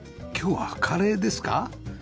今日はカレーですか？